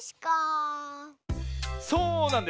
そうなんです！